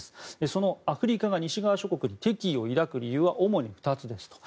そのアフリカが西側諸国に敵意を抱く理由は主に２つですと。